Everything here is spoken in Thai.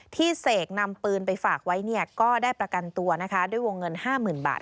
เสกนำปืนไปฝากไว้ก็ได้ประกันตัวนะคะด้วยวงเงิน๕๐๐๐บาท